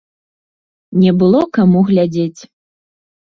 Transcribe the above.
Не было каму глядзець.